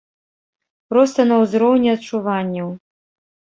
Проста на ўзроўні адчуванняў.